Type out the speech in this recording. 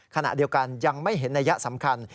ขณะเดียวกันยังไม่เห็นนัยยะสำคัญ